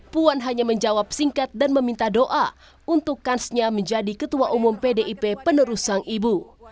puan hanya menjawab singkat dan meminta doa untuk kansnya menjadi ketua umum pdip penerus sang ibu